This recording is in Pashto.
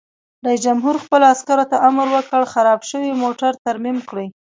رئیس جمهور خپلو عسکرو ته امر وکړ؛ خراب شوي موټر ترمیم کړئ!